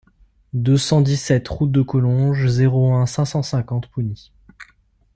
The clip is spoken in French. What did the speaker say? deux cent dix-sept route de Collonges, zéro un, cinq cent cinquante Pougny